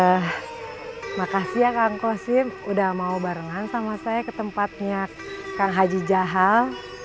eh makasih ya kang kwasim udah mau barengan sama saya ke tempatnya kang haji jahal